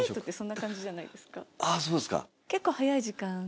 あぁそうですか。